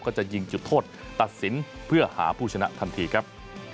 ก็จะยิงจุดโทษตัดสินเพื่อหาผู้ชนะทันทีครับ